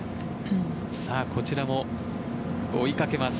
こちらも追いかけます。